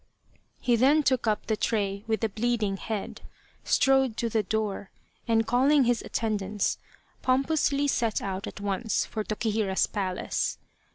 He then took up the tray with the bleeding head, strode to the door, and calling his attendants, pom pously set out at once for Tokihira's palace.